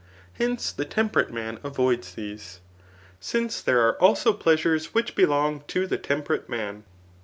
Hence, the temperate man avoids these ; since there ai^ also pleasures which belong to the temperate man.